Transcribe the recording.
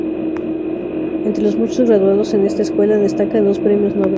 Entre los muchos graduados en esta escuela, destacan dos premios nobel.